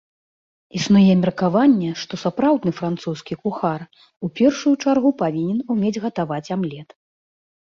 Існуе меркаванне, што сапраўдны французскі кухар у першую чаргу павінен умець гатаваць амлет.